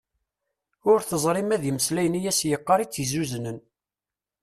Ur teẓri ma d imeslayen i as-yeqqar i tt-isuzunen.